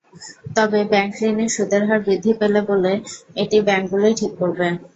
তবে ব্যাংকঋণের সুদের হার বৃদ্ধি পেলে বলে, এটি ব্যাংকগুলোই ঠিক করবে।